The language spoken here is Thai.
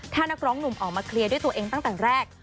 ถ้านักร้องหนุ่มออกมาเคลียร์ด้วยตัวเองตั้งแต่แรก